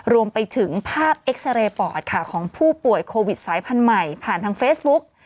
รวมไปถึงภาพเอ็กซาเรย์ปอดค่ะของผู้ป่วยโควิดสายพันธุ์ใหม่ผ่านทางเฟซบุ๊ก